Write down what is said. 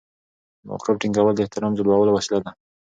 د موقف ټینګول د احترام جلبولو وسیله ده.